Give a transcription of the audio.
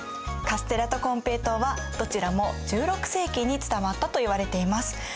カステラとコンペイトウはどちらも１６世紀に伝わったといわれています。